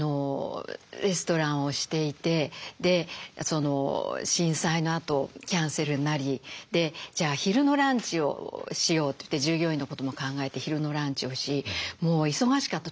レストランをしていてで震災のあとキャンセルになりじゃあ昼のランチをしようといって従業員のことも考えて昼のランチをしもう忙しかった。